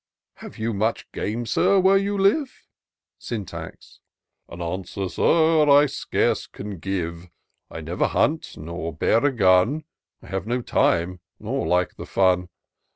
" Have you much game, Sir, where you live ?" Syntax. An answer. Sir, I scarce can give : I never hunt, nor bear a gun ; I have no time, nor like the fim.